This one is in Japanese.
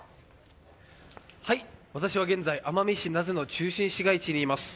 私は現在、奄美市名瀬の中心市街地にいます。